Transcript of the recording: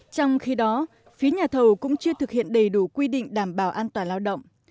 trong khi đó phía nhà thầu cũng chưa thực hiện đầy đủ quy định đảm bảo an toàn lao động